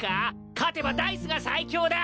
勝てばダイスが最強だ